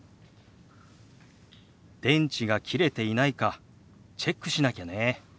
電池が切れていないかチェックしなきゃね。